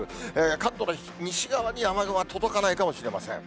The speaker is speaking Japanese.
関東の西側に雨雲は届かないかもしれません。